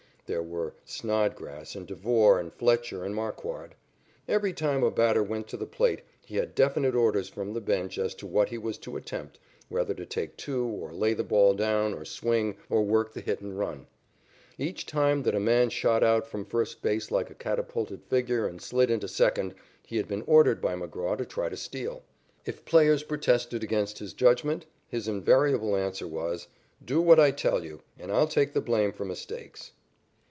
There were Snodgrass and Devore and Fletcher and Marquard. Every time a batter went to the plate, he had definite orders from the "bench" as to what he was to attempt whether to take two, or lay the ball down, or swing, or work the hit and run. Each time that a man shot out from first base like a catapulted figure and slid into second, he had been ordered by McGraw to try to steal. If players protested against his judgment, his invariable answer was: "Do what I tell you, and I'll take the blame for mistakes."